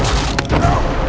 tapi mulai dengan pandangan